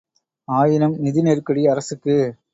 ஆயினும், நிதி நெருக்கடி அரசுக்கு!